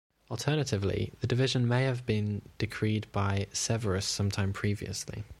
Alternatively, the division may have been decreed by Severus sometime previously.